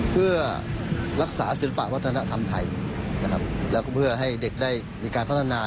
เพื่อรักษาศิลปะวัฒนธรรมไทยนะครับแล้วก็เพื่อให้เด็กได้มีการพัฒนา